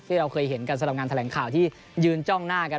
ที่เราเคยเห็นกันสำหรับงานแถลงข่าวที่ยืนจ้องหน้ากัน